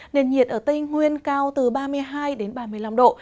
nền nhiệt ở tây nguyên cao từ ba mươi hai đến ba mươi năm độ